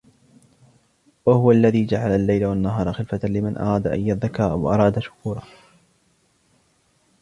وَهُوَ الَّذِي جَعَلَ اللَّيْلَ وَالنَّهَارَ خِلْفَةً لِمَنْ أَرَادَ أَنْ يَذَّكَّرَ أَوْ أَرَادَ شُكُورًا